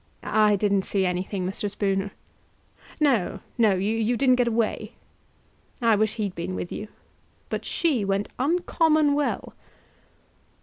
"I didn't see anything, Mr. Spooner." "No, no; you didn't get away. I wish he'd been with you. But she went uncommon well."